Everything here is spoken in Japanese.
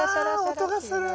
あ音がする。